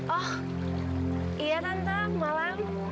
oh iya tante malam